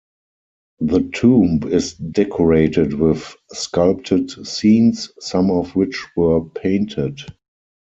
The tomb is decorated with sculpted scenes, some of which were painted.